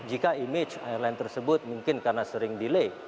tapi kalau image airline tersebut mungkin karena sering delay